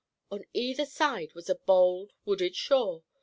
On either side was a bold, wooded shore.